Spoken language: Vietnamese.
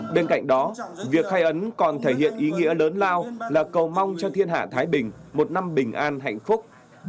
bên cạnh đó việc khai ấn còn thể hiện ý nghĩa lớn lao là cầu mong cho thiên hạ thái bình một năm bình an hạnh phúc